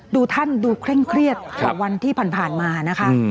ท่านดูเคร่งเครียดกว่าวันที่ผ่านมานะคะ